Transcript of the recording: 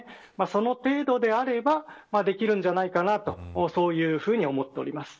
その程度であればできるんじゃないかと思っております。